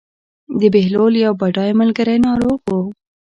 د بهلول یو بډای ملګری ناروغ و.